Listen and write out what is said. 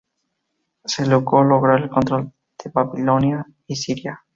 Seleuco logró el control de Babilonia y Siria.